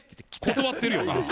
断ってるよな。